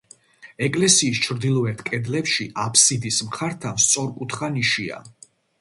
ეკლესიის ჩრდილოეთ კედლებში, აფსიდის მხართან სწორკუთხა ნიშია.